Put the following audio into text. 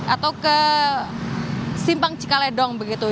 atau ke simpang cikaledong begitu